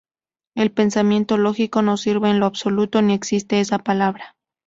El pensamiento lógico no sirve en lo absoluto ni existe esa palabra.